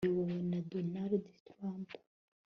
iyobowe na donald trump